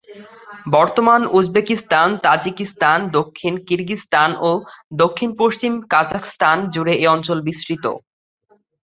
বর্তমান Uzbekistan, Tajikistan, দক্ষিণ Kyrgyzstan ও দক্ষিণপশ্চিম কাজাখস্তান জুড়ে এই অঞ্চল বিস্তৃত।